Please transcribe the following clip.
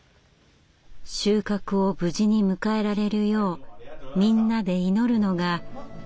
収穫を無事に迎えられるようみんなで祈るのが竹所の秋祭り。